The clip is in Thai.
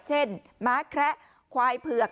เช่นมะแคระควายเผือก